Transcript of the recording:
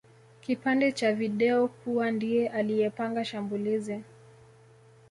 kipande cha video kuwa ndiye aliyepanga shambulizi